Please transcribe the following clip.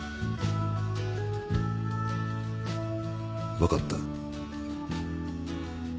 分かった。